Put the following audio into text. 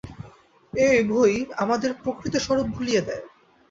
এ উভয়ই আমাদের প্রকৃত স্বরূপ ভুলিয়ে দেয়।